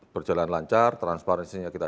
berjalan lancar transparansinya kita